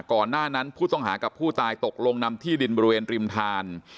ก่อนหน้านั้นผู้ต้องหากับผู้ตายตกลงนำที่ดินบริเวณริมทาน